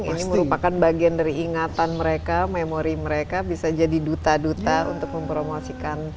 ini merupakan bagian dari ingatan mereka memori mereka bisa jadi duta duta untuk mempromosikan